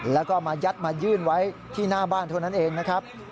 แล้วก็มายัดมายื่นไว้ที่หน้าบ้านเท่านั้นเองนะครับ